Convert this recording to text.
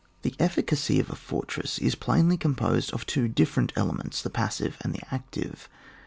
The efficacy of a fortress is plainly composed of two different elements, the passive and the active.